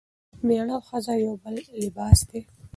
میړه او ښځه د یو بل لباس دي.